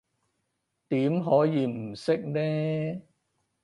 點可以唔識呢？